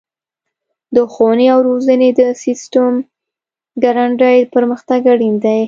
د ښوونې او روزنې د سیسټم ګړندی پرمختګ اړین دی.